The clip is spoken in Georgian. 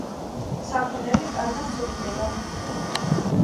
საქონელი კარგად სუქდება.